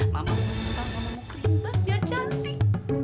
mama mau sembar mama mau kerimban biar cantik